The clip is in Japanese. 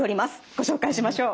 ご紹介しましょう。